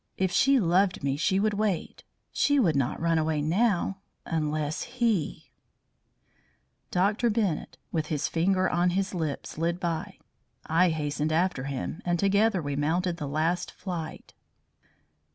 If she loved me she would wait. She would not run away now, unless he " Dr. Bennett, with his finger on his lip, slid by. I hastened after him, and together we mounted the last flight.